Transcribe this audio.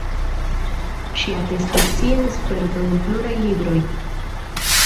Ŝi atestis sian sperton en pluraj libroj.